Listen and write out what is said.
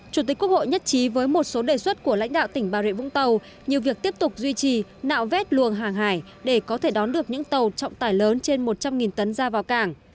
chủ tịch quốc hội nhất trí với một số đề xuất của lãnh đạo tỉnh bà rịa vũng tàu như việc tiếp tục duy trì nạo vét luồng hàng hải để có thể đón được những tàu trọng tải lớn trên một trăm linh tấn ra vào cảng